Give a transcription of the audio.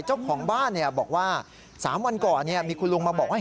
เจ้าของบ้านบอกว่า๓วันก่อนมีคุณลุงมาบอกว่า